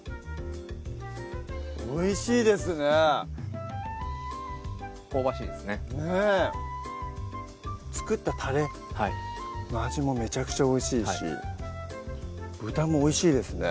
おいしいですね香ばしいですねねぇ作ったたれの味もめちゃくちゃおいしいし豚もおいしいですね